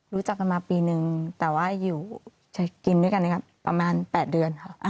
รู้จักกันมาปีนึงแต่ว่าอยู่กินด้วยกันนะครับประมาณ๘เดือนค่ะ